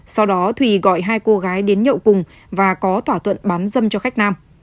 sau đó thùy gọi hai cô gái đến nhậu cùng và có thỏa thuận bán dâm cho khách nam